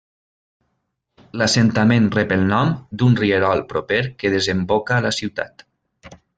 L'assentament rep el nom d'un rierol proper que desemboca a la ciutat.